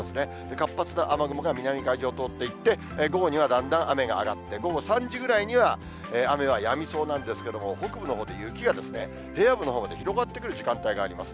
活発な雨雲が南海上を通っていって、午後にはだんだん雨が上がって、午後３時ぐらいには雨はやみそうなんですが、北部のほうで雪が平野部のほうで広がってくる時間帯があります。